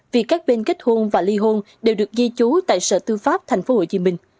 vì các bên kết hôn và ly hôn đều được ghi chú tại sở tư pháp tp hcm